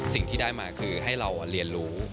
สิ่งที่ได้มาคือให้เราเรียนรู้